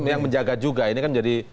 yang menjaga juga ini kan jadi